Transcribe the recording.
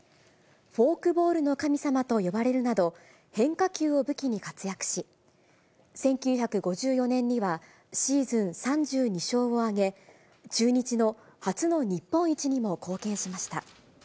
フォークボールの神様と呼ばれるなど、変化球を武器に活躍し、１９５４年にはシーズン３２勝を挙げ、中日の初の日本一にも貢献しました。